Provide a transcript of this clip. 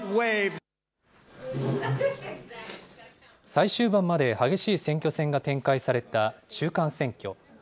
最終盤まで激しい選挙戦が展開された中間選挙。